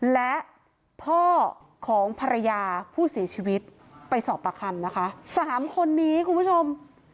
และพ่อของภรรยาผู้เสียชีวิตไปสอบประคำนะคะสามคนนี้คุณผู้ชม